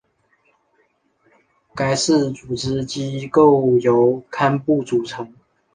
该寺组织机构由堪布组成。